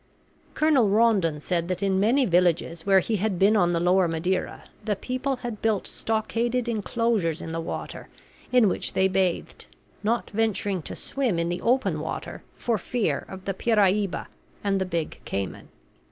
Colonel Rondon said that in many villages where he had been on the lower Madeira the people had built stockaded enclosures in the water in which they bathed, not venturing to swim in the open water for fear of the piraiba and the big cayman.